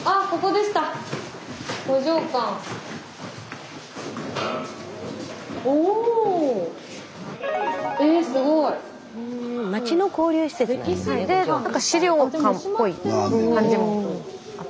で何か資料館っぽい感じもあって。